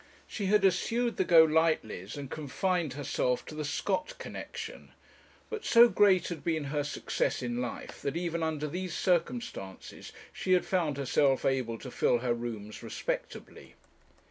She had eschewed the Golightlys, and confined herself to the Scott connexion; but so great had been her success in life, that, even under these circumstances, she had found herself able to fill her rooms respectably.